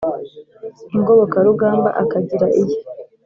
ingobokarugamba akagira iye